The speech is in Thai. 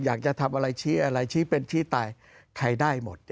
อยากจะทำอะไรชี้อะไรชี้เป็นชี้ตายใครได้หมด